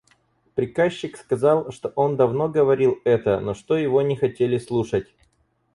Приказчик сказал, что он давно говорил это, но что его не хотели слушать.